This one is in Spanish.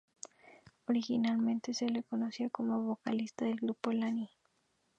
Originalmente se la conoció como vocalista del grupo Lani.